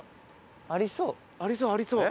ありそう！